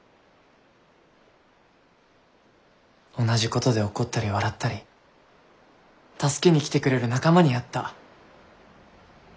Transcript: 同じことで怒ったり笑ったり助けに来てくれる仲間に会った。